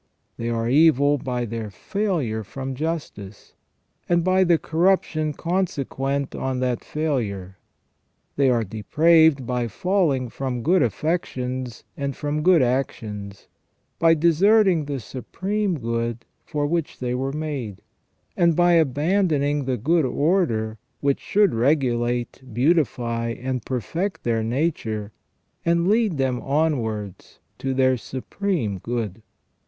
They are evil by their failure from justice, and by the corruption consequent on that failure. They are depraved by falling from good affections and from good actions; by deserting the Supreme Good for which they were made ; and by abandoning the good order which should * S. Dionys. Areop., De Divinis Nominibus, c. iv. 1 84 ON EVIL AND THE ORIGIN OF EVIL, regulate, beautify, and perfect their nature, and lead them onwards to their Supreme Good.